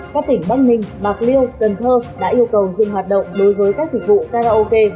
các tỉnh bắc ninh bạc liêu cần thơ đã yêu cầu dừng hoạt động đối với các dịch vụ karaoke